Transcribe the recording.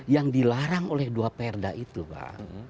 yang dilarang oleh dua perda itu pak